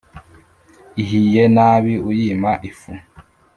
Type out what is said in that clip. Ihiye nabi uyima ifu.